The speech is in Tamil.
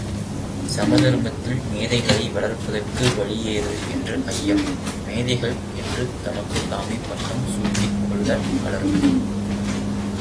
சமதர்மத்தில் மேதைகளை வளர்ப்பதற்கு வழியேது என்ற ஐயம், மேதைகள் என்று தமக்குத் தாமே பட்டம் சூட்டிக்கொண்டுள்ள பலருக்கும் எழுவதுண்டு.